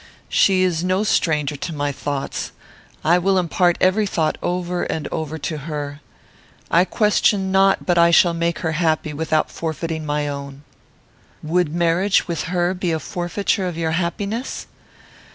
She is no stranger to my thoughts. I will impart every thought over and over to her. I question not but I shall make her happy without forfeiting my own." "Would marriage with her be a forfeiture of your happiness?"